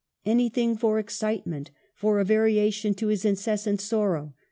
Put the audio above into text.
Anything for excitement, for a variation to his incessant sorrow.